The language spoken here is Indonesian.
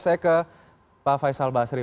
saya ke pak faisal basri